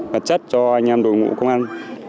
vật chất cho anh em đội ngũ công an